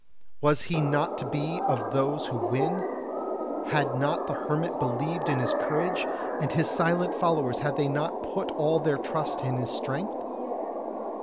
Was he not to be of those who win? Had not the hermit believed in his courage? and his silent followers had they not put all their trust in his strength?